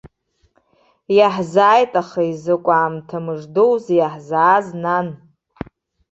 Иаҳзааит аха, изакә аамҭа мыждоузеи иаҳзааз, нан.